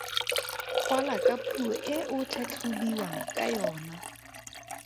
Kwala ka puo e o tlhatlhobiwang ka yona.